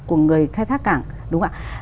của người khai thác cảng đúng ạ